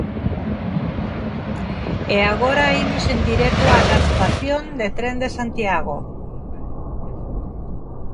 E agora imos en directo ata a estación de tren de Santiago.